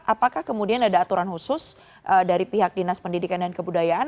apakah kemudian ada aturan khusus dari pihak dinas pendidikan dan kebudayaan